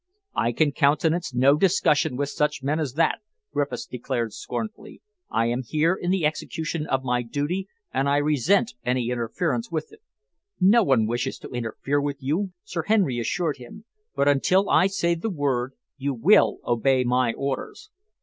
"I can countenance no discussion with such men as that," Griffiths declared scornfully. "I am here in the execution of my duty, and I resent any interference with it." "No one wishes to interfere with you," Sir Henry assured him, "but until I say the word you will obey my orders."